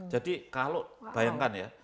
jadi kalau bayangkan ya